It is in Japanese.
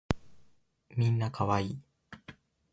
みんな可愛い